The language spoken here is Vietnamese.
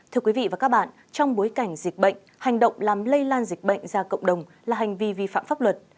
thưa quý vị và các bạn trong bối cảnh dịch bệnh hành động làm lây lan dịch bệnh ra cộng đồng là hành vi vi phạm pháp luật